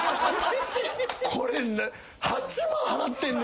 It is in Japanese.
これ８万払ってんね